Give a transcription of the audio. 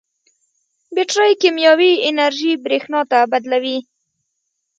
بیټرۍ کیمیاوي انرژي برېښنا ته بدلوي.